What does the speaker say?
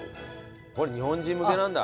これ日本人向けなんだ。